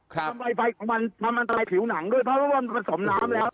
ค่ะความวัยไฟของมันมันตายผิวหนังด้วยเพราะว่าผสมน้ำแล้ว